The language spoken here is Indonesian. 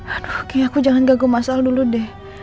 aduh ki aku jangan gagal masal dulu deh